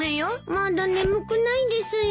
まだ眠くないですよ。